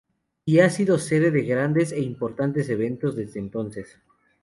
Y ha sido sede de grandes e importantes eventos desde entonces.